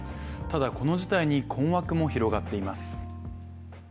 ただ、この事態に困惑も広がっています。